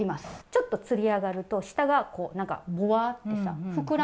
ちょっとつり上がると下がこうぼわってさ膨らんだ